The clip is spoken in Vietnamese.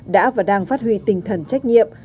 đã và đang phát huy tinh thần trách nhiệm